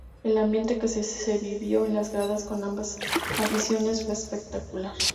El ambiente que se vivió en las gradas con ambas aficiones fue espectacular.